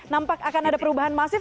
nampak akan ada perubahan masif